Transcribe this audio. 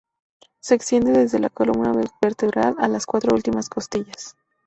Se extiende desde la columna vertebral a las cuatro últimas costillas.